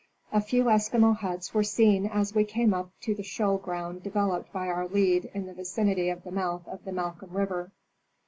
A few Eskimo huts were seen as we came up to the shoal ground developed by our lead in the vicinity of the mouth of the Malcolm river.